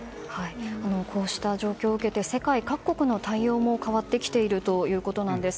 こうした状況を受けて世界各国の対応も変わってきているということなんです。